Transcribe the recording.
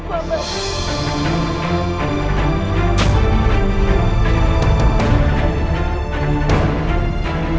kalian semua harus bertanggung jawab